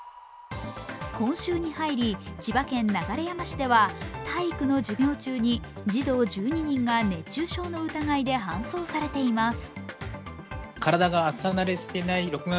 今週に入り、千葉県流山市では体育の授業中に児童１２人が熱中症の疑いで搬送されています。